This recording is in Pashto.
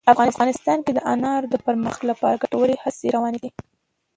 افغانستان کې د انارو د پرمختګ لپاره ګټورې هڅې روانې دي.